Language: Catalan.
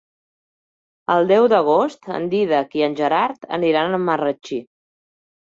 El deu d'agost en Dídac i en Gerard aniran a Marratxí.